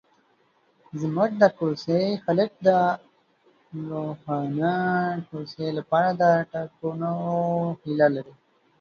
زموږ د کوڅې خلک د روښانه کوڅې لپاره د ټاکنو هیله لري.